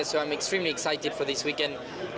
jadi saya sangat teruja untuk musim ini